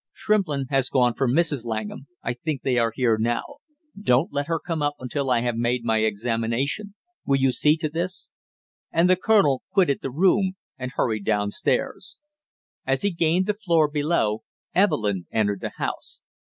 "Shrimplin has gone for Mrs. Langham I think they are here now. Don't let her come up until I have made my examination. Will you see to this?" And the colonel quitted the room and hurried down stairs. As he gained the floor below, Evelyn entered the house.